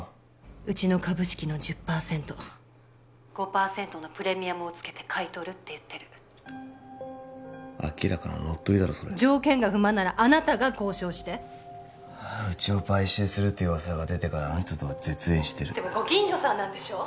うちの株式の１０％５％のプレミアムをつけて買い取るって言ってる明らかな乗っ取りだろそれ条件が不満ならあなたが交渉してうちを買収するっていう噂が出てからあの人とは絶縁してるでもご近所さんなんでしょ？